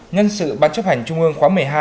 nhân sự ban chấp hành trung ương khóa một mươi hai